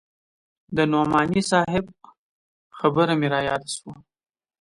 د نعماني صاحب خبره مې راياده سوه.